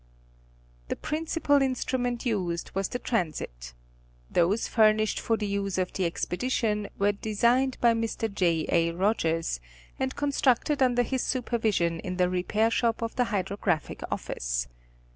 The principal instrument used was the transit. Those furnished for the use of the expedition were designed by Mr. J. A. Rogers, and constructed under his supervision in the repair shop of the Hydrographic office.